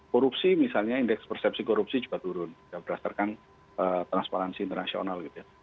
korupsi misalnya indeks persepsi korupsi juga turun berdasarkan transparansi internasional gitu ya